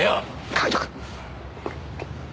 カイトくん！